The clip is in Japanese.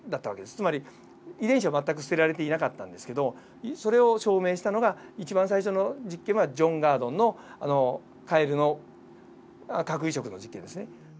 つまり遺伝子は全く捨てられていなかったんですけどそれを証明したのが一番最初の実験はジョン・ガードンのカエルの核移植の実験ですね。